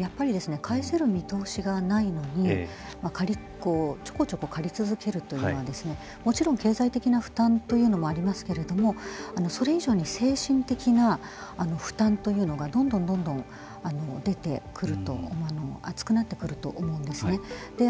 やっぱり、返せる見通しがないのにちょこちょこ借り続けるというのはもちろん経済的な負担というのもありますけれどもそれ以上に精神的な負担というのがどんどん出てくると厚くなってくると思うんですね。